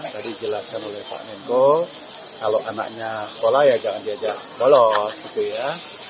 tadi jelaskan oleh pak menko kalau anaknya sekolah ya jangan diajak bolos gitu ya